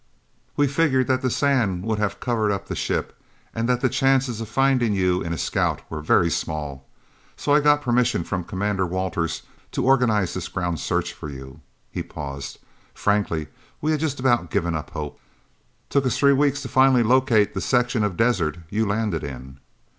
We figured that the sand would have covered up the ship, and that the chances of finding you in a scout were very small, so I got permission from Commander Walters to organize this ground search for you." He paused. "Frankly we had just about given up hope. Took us three weeks finally to locate the section of desert you landed in."